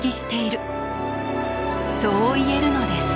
そう言えるのです。